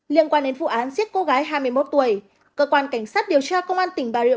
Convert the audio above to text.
liên quan đến vụ án giết cô gái hai mươi một tuổi cơ quan cảnh sát điều tra công an tỉnh bà rịa